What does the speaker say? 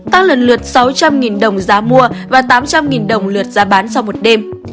tăng lần lượt sáu trăm linh đồng giá mua và tám trăm linh đồng lượt giá bán sau một đêm